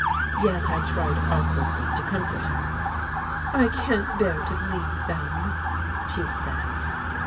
Yet I tried awkwardly to comfort her. "I can't bear to leave them," she said.